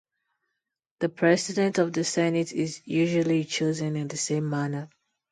The President of the Senate is usually chosen in the same manner.